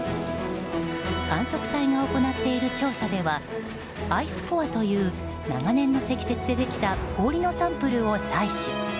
観測隊が行っている調査ではアイスコアという長年の積雪でできた氷のサンプルを採取。